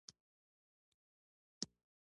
مسلمانانو مالونه به یې لوټل.